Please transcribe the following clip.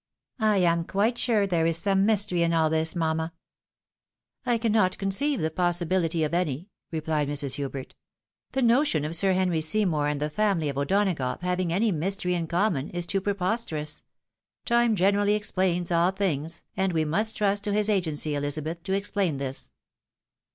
I am quite sure there, is some mystery in all this." " I cannot conceive the possibihty of any," rephed Mrs. Hubert. " The notion of Sir Henry Seymour and the family of O'Donagough having any mystery in conunon, is too prepos terous ; time generally explains all things, and we must trust to his agency, Elizabeth, to explain this."